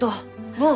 もう！